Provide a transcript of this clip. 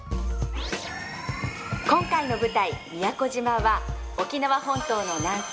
今回の舞台宮古島は沖縄本島の南西